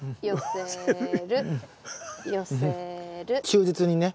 忠実にね。